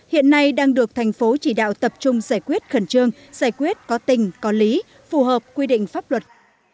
hiện nay đang được thành phố chỉ đạo tập trung giải quyết khẩn trương giải quyết có tình có lý phù hợp quy định pháp luật